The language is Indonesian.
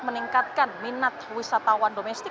meningkatkan minat wisatawan domestik